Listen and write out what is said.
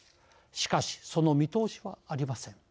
しかし、その見通しはありません。